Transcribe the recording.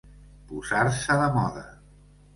Posar-se de moda.